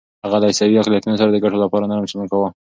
هغه له عیسوي اقلیتونو سره د ګټو لپاره نرم چلند کاوه.